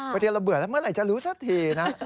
บางทีเราเบื่อแล้วเมื่อไหร่จะรู้สักทีนะ